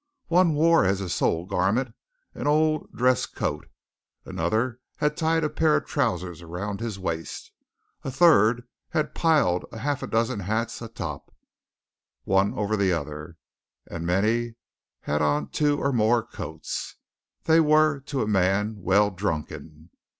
One wore as his sole garment an old dress coat: another had tied a pair of trousers around his waist; a third had piled a half dozen hats atop, one over the other; and many had on two or more coats. They were, to a man, well drunken.